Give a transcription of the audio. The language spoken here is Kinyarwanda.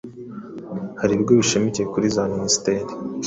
Hari ibigo bishamikiye kuri za Minisiteri